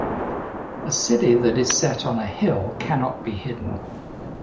A city that is set on a hill cannot be hidden.